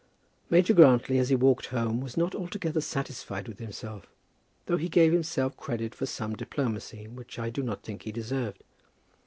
Major Grantly, as he walked home, was not altogether satisfied with himself, though he gave himself credit for some diplomacy which I do not think he deserved.